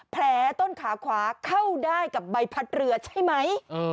แผลต้นขาขวาเข้าได้กับใบพัดเรือใช่ไหม